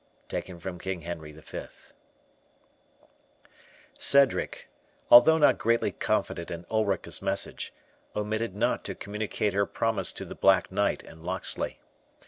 KING HENRY V Cedric, although not greatly confident in Ulrica's message, omitted not to communicate her promise to the Black Knight and Locksley.